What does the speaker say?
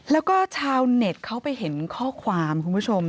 แล้วก็ชาวเน็ตเขาไปเห็นข้อความคุณผู้ชม